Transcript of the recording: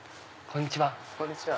こんにちは。